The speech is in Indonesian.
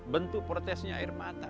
bentuk protesnya air mata